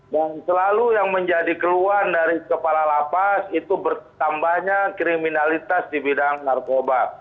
dan selalu yang menjadi keluhan dari kepala lapas itu bertambahnya kriminalitas di bidang narkoba